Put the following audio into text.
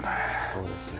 そうですね。